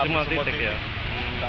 semua titik ya